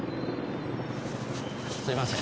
すいません